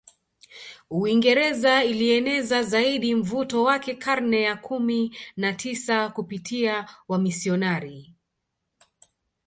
Uingereza ilieneza zaidi mvuto wake karne ya kumi na tisa kupitia wamisionari